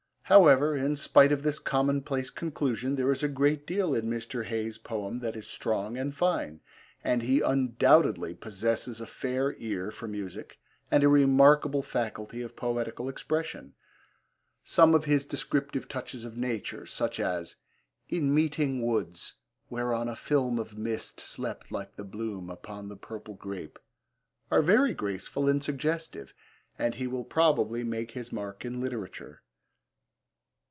However, in spite of this commonplace conclusion there is a great deal in Mr. Hayes's poem that is strong and fine, and he undoubtedly possesses a fair ear for music and a remarkable faculty of poetical expression. Some of his descriptive touches of nature, such as In meeting woods, whereon a film of mist Slept like the bloom upon the purple grape, are very graceful and suggestive, and he will probably make his mark in literature.